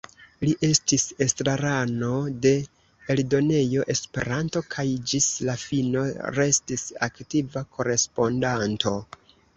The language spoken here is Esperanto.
Li estis estrarano de Eldonejo Esperanto kaj ĝis la fino restis aktiva korespondanto.